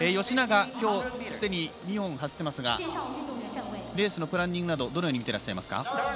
吉永、今日すでに２本走っていますがレースのプラニングなどどのように見ていらっしゃいますか？